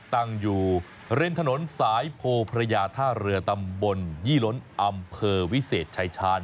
ตั้งอยู่ริมถนนสายโพพระยาท่าเรือตำบลยี่ล้นอำเภอวิเศษชายชาญ